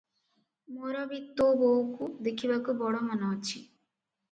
ମୋର ବି ତୋ ବୋଉକୁ ଦେଖିବାକୁ ବଡ଼ ମନ ଅଛି ।